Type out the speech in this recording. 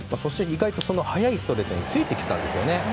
速いストレートについてきたんですね。